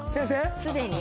すでに？